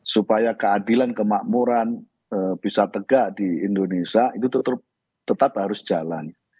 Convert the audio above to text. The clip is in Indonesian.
supaya keadilan kemakmuran bisa tegak di indonesia itu tetap harus jalan